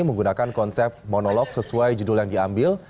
menggunakan konsep monolog sesuai judul yang diambil